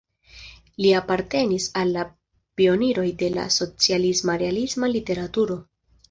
Li apartenis al la pioniroj de la socialisma-realisma literaturo.